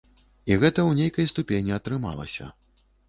І гэта ў нейкай ступені атрымалася.